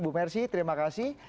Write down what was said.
ibu mercy terima kasih